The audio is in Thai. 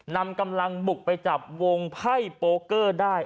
นำกำลังบุกไปจับวงไพ่โปเกอร์ได้